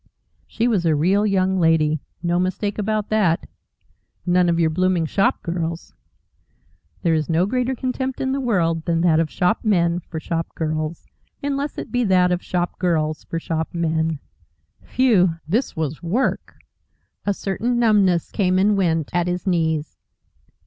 She was a real Young Lady. No mistake about that! None of your blooming shop girls. (There is no greater contempt in the world than that of shop men for shop girls, unless it be that of shop girls for shop men.) Phew! This was work. A certain numbness came and went at his knees.